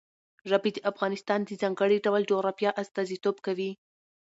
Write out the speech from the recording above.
ژبې د افغانستان د ځانګړي ډول جغرافیه استازیتوب کوي.